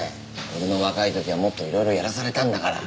俺の若い時はもっといろいろやらされたんだから。